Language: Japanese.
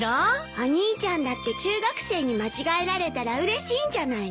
お兄ちゃんだって中学生に間違えられたらうれしいんじゃないの？